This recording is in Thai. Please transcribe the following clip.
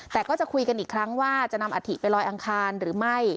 แต่ก็จะคุยกันอีกครั้งว่าจะนำอัฐิไปลอยอังคารหรือไม่